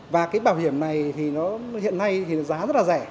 và bảo hiểm này hiện nay giá rất rẻ